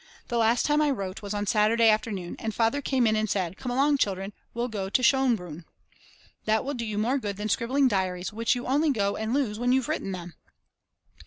The last time I wrote was on Saturday afternoon, and Father came in and said: Come along children, we'll go to Schonbrunn. That will do you more good than scribbling diaries which you only go and lose when you've written them.